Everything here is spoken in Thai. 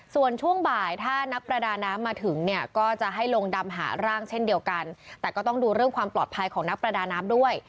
ส่วนช่วงบ่ายถ้านักประดาน้ำมาถึงเนี่ยก็จะให้ลงดำหาร่างเช่นเดียวกันแต่ก็ต้องดูเรื่องความปลอดภัยของนักประดาน้ำด้วย